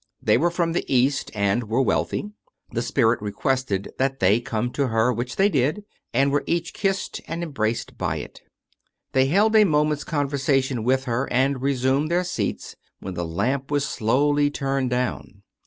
They were from the East, and were wealthy. The spirit requested that they come to her, which they did, and were each kissed and embraced by it. They held a moment's conversation with her and resumed their seats, when the lamp was slowly turned down.